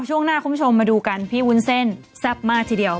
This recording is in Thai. ช่วงหน้าคุณผู้ชมมาดูกันพี่วุ้นเส้นแซ่บมากทีเดียว